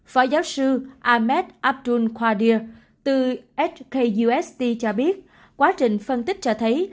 phó giáo sư ahmed abdul qadir từ hkust cho biết quá trình phân tích cho thấy